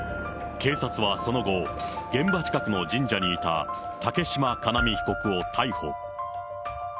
警察はその後、現場近くの神社にいた竹島叶実被告を逮捕。